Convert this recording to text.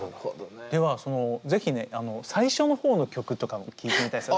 では是非ね最初の方の曲とかも聴いてみたいですね。